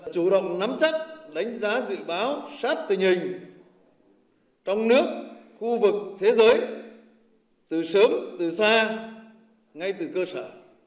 chủ động nắm chắc đánh giá dự báo sát tình hình trong nước khu vực thế giới từ sớm từ xa ngay từ cơ sở